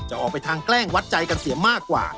ออกไปทางแกล้งวัดใจกันเสียมากกว่า